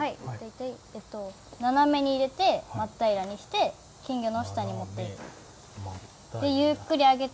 斜めに入れてまっ平らにして、金魚の下にもっていく。